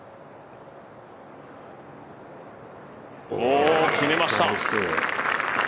おお、決めました。